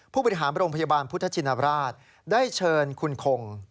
ผู้บริหารโรงพยาบาลพุทธชินราชได้เชิญคุณคง